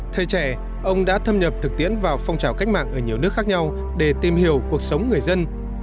thời trẻ ông đã thâm nhập thực tiễn vào phong trào cách mạng ở nhiều nước khác nhau để tìm hiểu cuộc sống người dân